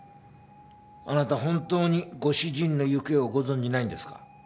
あなた本当にご主人の行方をご存じないんですか？